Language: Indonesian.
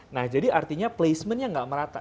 nah jadi artinya placement nya gak merata